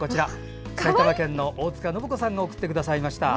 埼玉県の大塚信子さんが送ってくださいました。